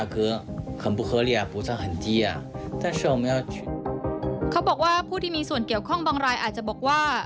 เขาบอกว่าผู้ที่มีส่วนเกี่ยวข้องบางรายอาจจะบอกว่า